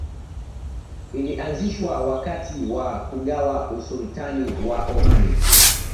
Ilianzishwa wakati wa kugawa Usultani wa Omani